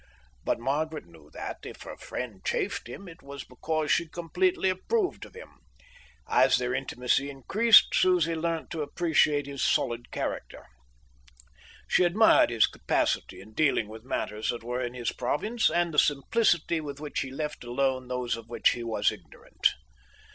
But Margaret knew that, if her friend chaffed him, it was because she completely approved of him. As their intimacy increased, Susie learnt to appreciate his solid character. She admired his capacity in dealing with matters that were in his province, and the simplicity with which he left alone those of which he was ignorant.